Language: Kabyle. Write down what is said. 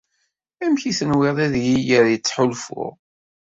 Amek tenwiḍ ad yi-yerr ttḥulfuɣ?